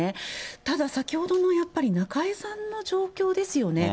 ただ、先ほどの、やっぱり中江さんの状況ですよね。